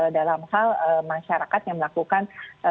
dalam hal masyarakat yang melakukan